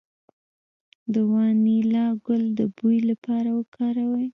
د وانیلا ګل د بوی لپاره وکاروئ